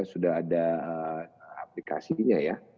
sudah ada aplikasinya ya